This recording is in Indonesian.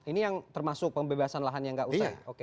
ini yang termasuk pembebasan lahan yang gak utang